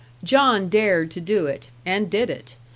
John dared to do it and did it.